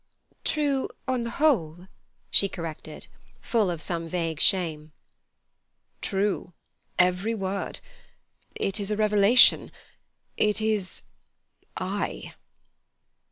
"True on the whole," she corrected, full of some vague shame. "True, every word. It is a revelation. It is—I."